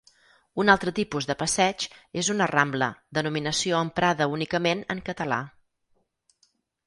Un altre tipus de passeig és una rambla, denominació emprada únicament en català.